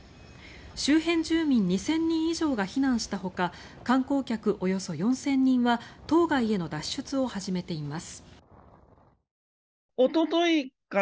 周辺住民２０００人以上が避難したほか観光客およそ４０００人は島外への脱出を始めています。